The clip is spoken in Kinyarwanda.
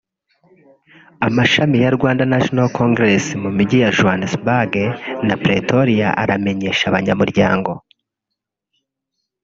Amashami ya Rwanda National Congress mu mijyi ya Johannesburg na Pretoria aramenyesha abanyamuryango